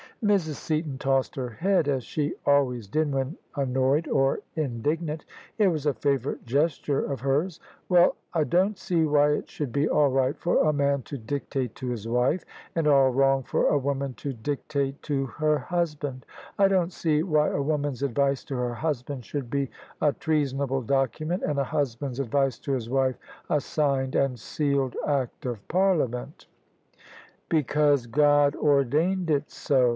Mrs. Seaton tossed her head, as she always did when annoyed or indignant. It was a favourite gesture of hers. " Well, I don't see why it should be all right for a man to dictate to his wife, and all wrong for a woman to dictate to her husband. I don't see why a woman's advice to her husband should be a treasonable document, and a husband's advice to his wife a signed and sealed Act of Parliament." " Because God ordained it so.